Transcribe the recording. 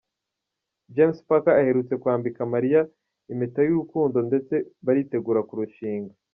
James Packer aherutse kwambika Mariah Carey impeta y’urukundo ndetse baritegura kurushinga.